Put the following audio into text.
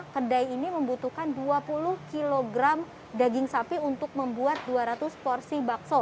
kedai ini membutuhkan dua puluh kg daging sapi untuk membuat dua ratus porsi bakso